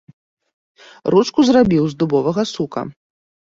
Ручку зрабіў з дубовага сука.